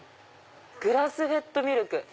グラスフェッドミルク。